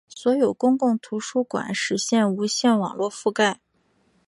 所有公共图书馆实现无线网络覆盖。